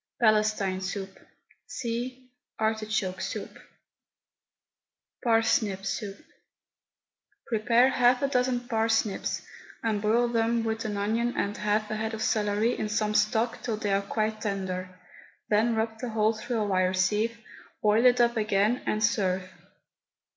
PALESTINE SOUP. (See ARTICHOKE SOUP.) PARSNIP SOUP. Prepare half a dozen parsnips, and boil them with an onion and half a head of celery in some stock till they are quite tender. Then rub the whole through a wire sieve, boil it up again, and serve.